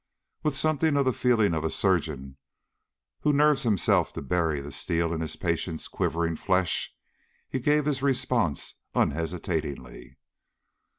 With something of the feeling of a surgeon who nerves himself to bury the steel in his patient's quivering flesh, he gave his response unhesitatingly.